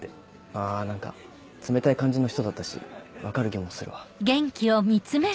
あ何か冷たい感じの人だったし分かる気もするわ。